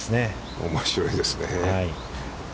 おもしろいですね。